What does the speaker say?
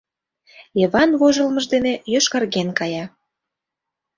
Йыван вожылмыж дене йошкарген кая.